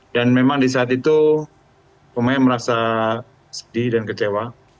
dan memang di saat itu pemain merasa sedih dan kecewa